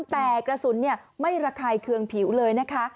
แต่กระสุนไม่ระคายเคืองผิวเลยนะคะ